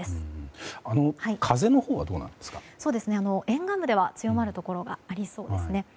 沿岸部では強まるところがありそうですね。